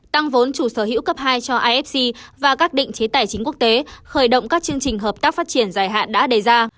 tăng vốn chủ sở hữu cấp hai cho ifc và các định chế tài chính quốc tế khởi động các chương trình hợp tác phát triển dài hạn đã đề ra